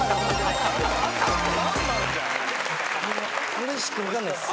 これしか分かんないっす。